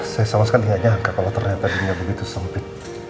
saya sama sekali nggak nyangka kalau ternyata dunia begitu sempit